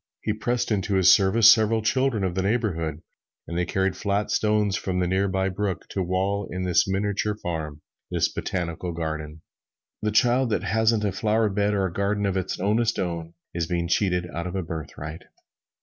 He pressed into his service several children of the neighborhood, and they carried flat stones from the near by brook to wall in this miniature farm this botanical garden. The child that hasn't a flowerbed or a garden of its ownest own is being cheated out of its birthright.